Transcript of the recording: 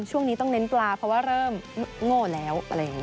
ช่วงนี้ต้องเน้นปลาเพราะว่าเริ่มโง่แล้ว